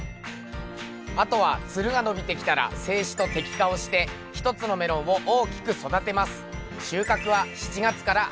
あとはツルが伸びてきたら整枝と摘果をして１つのメロンを大きく育てます。